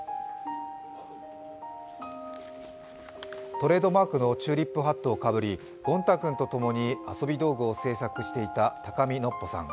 トレードマークのチューリップハットをかぶりゴン太くんとともに遊び道具を製作していた高見のっぽさん。